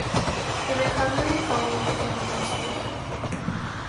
The recovery follows an inverse order.